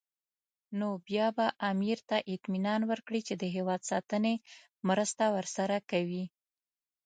نو بیا به امیر ته اطمینان ورکړي چې د هېواد ساتنې مرسته ورسره کوي.